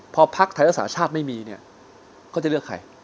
พอพรรคไทยและสาชาธิ์ไม่มีเนี่ยเค้าจะเลือกใคร